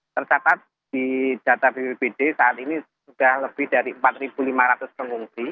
tercatat di data bppd saat ini sudah lebih dari empat lima ratus pengungsi